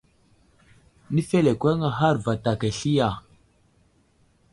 Nəfelekweŋ ahar vatak asli ya ?